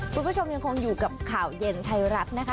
คุณผู้ชมยังคงอยู่กับข่าวเย็นไทยรัฐนะคะ